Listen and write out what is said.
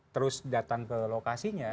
terus datang ke lokasinya